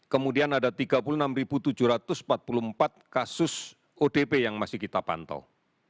kemudian ada tiga puluh enam tujuh ratus empat puluh empat kasus odp yang masih kita pantau